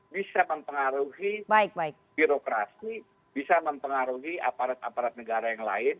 bisa mempengaruhi birokrasi bisa mempengaruhi aparat aparat negara yang lain